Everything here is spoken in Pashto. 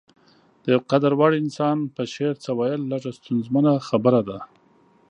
د يو قدر وړ انسان په شعر څه ويل لږه ستونزمنه خبره ده.